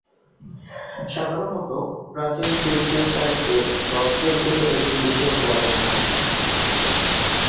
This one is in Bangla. সাধারণত, প্রাচীন খ্রিস্টীয় সাহিত্যে "গসপেল" ছিল একটি বিশেষ বর্গের নাম।